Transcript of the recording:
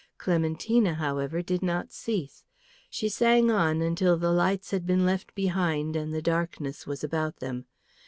Clementina, however, did not cease; she sang on until the lights had been left behind and the darkness was about them.